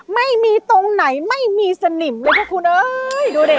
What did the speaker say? ไม่มีตรงไหนไม่มีสนิมเลยค่ะคุณเอ้ยดูดิ